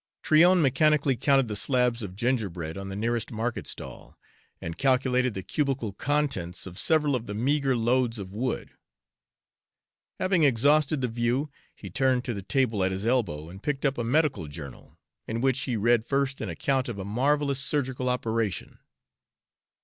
Tryon mechanically counted the slabs of gingerbread on the nearest market stall, and calculated the cubical contents of several of the meagre loads of wood. Having exhausted the view, he turned to the table at his elbow and picked up a medical journal, in which he read first an account of a marvelous surgical operation.